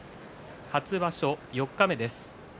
初場所四日目です。